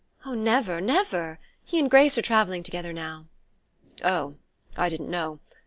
"Oh, never, never! He and Grace are travelling together now." "Oh, I didn't know.